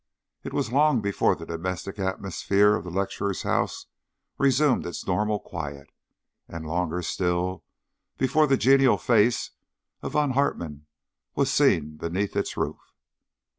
It was long before the domestic atmosphere of the lecturer's house resumed its normal quiet, and longer still before the genial face of Von Hartmann was seen beneath its roof.